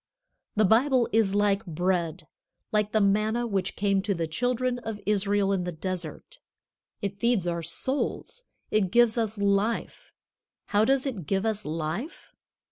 The Bible is like bread, like the manna which came to the children of Israel in the desert. It feeds our souls. It gives us life. How does it give us life?